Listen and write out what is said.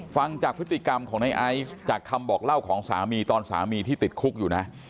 ฟังจากพฤติกรรมของในไอซ์จากคำบอกเล่าของสามีตอนสามีที่ติดคุกอยู่นะ